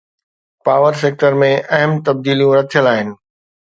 power sector ۾ اهم تبديليون رٿيل آهن